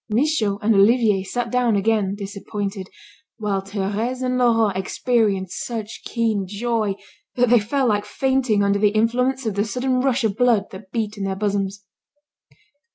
Michaud and Olivier sat down again disappointed, while Thérèse and Laurent experienced such keen joy that they felt like fainting under the influence of the sudden rush of blood that beat in their bosoms.